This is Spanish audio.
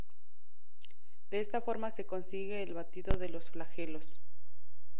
De esta forma se consigue el batido de los flagelos.